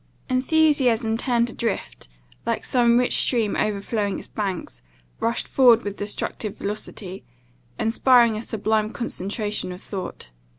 Enthusiasm turned adrift, like some rich stream overflowing its banks, rushes forward with destructive velocity, inspiring a sublime concentration of thought.